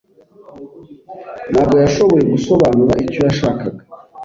Ntabwo yashoboye gusobanura icyo yashakaga.